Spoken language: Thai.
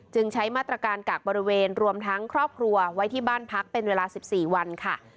ใช้มาตรการกากบริเวณรวมทั้งครอบครัวไว้ที่บ้านพักเป็นเวลา๑๔วันค่ะ